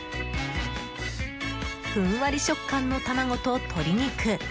ふんわり食感の卵と鶏肉。